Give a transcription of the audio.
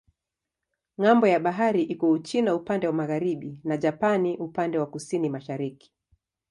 Ng'ambo ya bahari iko Uchina upande wa magharibi na Japani upande wa kusini-mashariki.